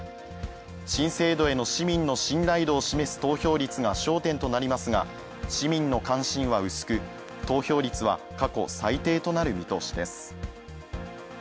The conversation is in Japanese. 新制度への市民の信頼度を示す投票率が焦点となりますが、市民の関心は薄く、投票率は過去最低となる見通しです。